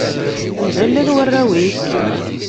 Anda llan warraw-ik?